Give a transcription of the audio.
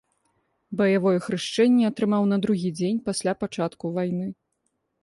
Баявое хрышчэнне атрымаў на другі дзень пасля пачатку вайны.